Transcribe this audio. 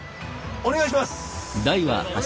お願いします。